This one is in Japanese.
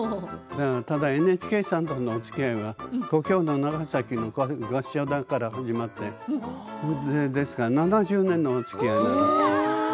ただＮＨＫさんとのおつきあいは故郷の長崎の合唱団から始まって７０年のおつきあい。